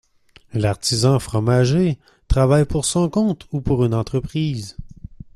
L'artisan fromager travaille pour son compte ou pour une entreprise.